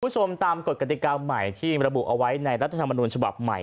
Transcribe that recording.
คุณผู้ชมตามกฎกติกาใหม่ที่ระบุเอาไว้ในรัฐธรรมนุษย์ฉบับใหม่